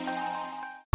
sampai ketemu lagi reachnya